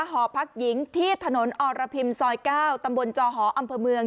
หอพักหญิงที่ถนนอรพิมซอย๙ตำบลจอหออำเภอเมือง